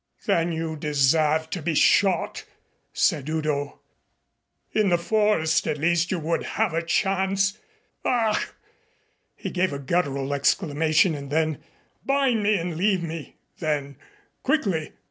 "Then you deserve to be shot," said Udo. "In the forest at least you would have a chance Ach !" He gave a guttural exclamation and then: "Bind me and leave me then quickly.